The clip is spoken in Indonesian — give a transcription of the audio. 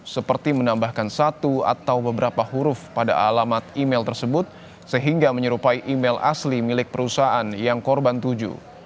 seperti menambahkan satu atau beberapa huruf pada alamat email tersebut sehingga menyerupai email asli milik perusahaan yang korban tuju